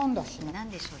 何でしょう？